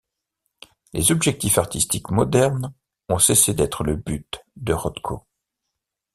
Les objectifs artistiques modernes ont cessé d'être le but de Rothko.